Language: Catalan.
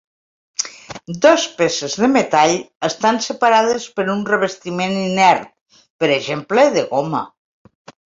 Dos peces de metall estan separades per un revestiment inert, per exemple de goma.